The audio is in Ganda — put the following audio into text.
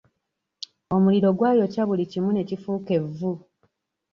Omuliro gwayokya buli kimu ne kifuuka evvu.